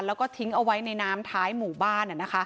แล้วก็ทิ้งเอาไว้ในน้ำท้ายหมู่บ้าน